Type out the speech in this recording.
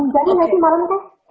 jadi nanti malam itu